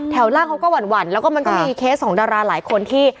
ล่างเขาก็หวั่นแล้วก็มันก็มีเคสของดาราหลายคนที่